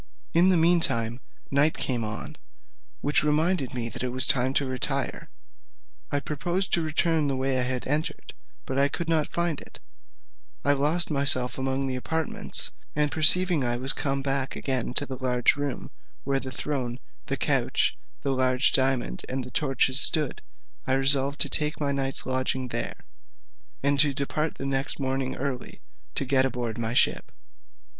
In the mean time night came on, which reminded me that it was time to retire. I proposed to return the way I had entered, but I could not find it; I lost myself among the apartments; and perceiving I was come back again to the large room, where the throne, the couch, the large diamond, and the torches stood, I resolved to take my night's lodging there, and to depart the next morning early, to get aboard my ship.